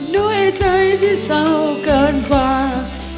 ด้วยใจที่เศร้าเกินกว่า